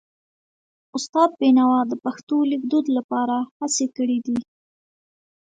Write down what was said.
استاد بینوا د پښتو لیکدود لپاره هڅې کړې دي.